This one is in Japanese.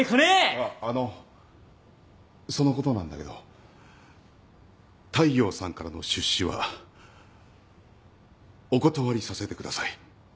あっあのそのことなんだけど大陽さんからの出資はお断りさせてください。